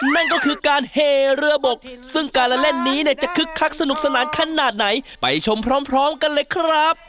นั่นก็คือการเหเรือบกซึ่งการเล่นนี้เนี่ยจะคึกคักสนุกสนานขนาดไหนไปชมพร้อมกันเลยครับ